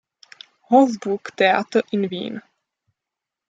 Hof-Burgtheater in Wien.